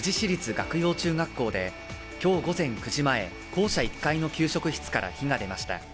岳陽中学校で今日午前９時前、校舎１階の給食室から火が出ました。